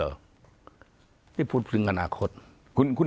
แล้วจะมีเพื่อนร่วมทางเดินเหรอ